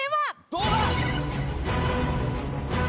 どうだ？